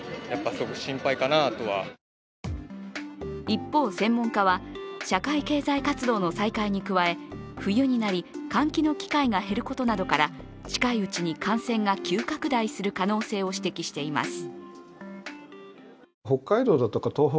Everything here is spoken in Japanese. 一方、専門家は社会経済活動の再開に加え冬になり、換気の機会が減ることなどから近いうちに感染が急拡大する可能性を指摘しています。